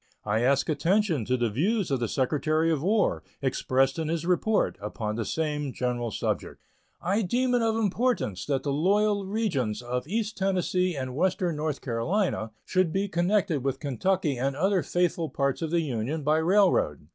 I ask attention to the views of the Secretary of War, expressed in his report, upon the same general subject. I deem it of importance that the loyal regions of east Tennessee and western North Carolina should be connected with Kentucky and other faithful parts of the Union by railroad.